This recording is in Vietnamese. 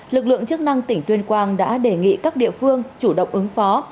lực lượng chức năng tỉnh tuyên quang đã đề nghị các địa phương chủ động ứng phó